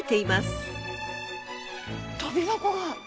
とび箱が！